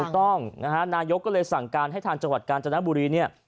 ถูกต้องนะฮะนายกก็เลยสั่งการให้ทางจังหวัดกาญจนบุรีเนี่ย